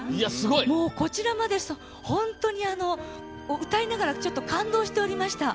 もうこちらまで本当に歌いながらちょっと感動しておりました。